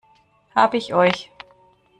Hab ich euch!